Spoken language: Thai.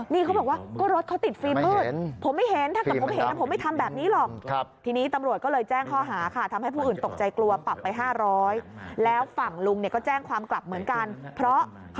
นี่เขาบอกว่าก็รถเขาติดฟิล์มมืด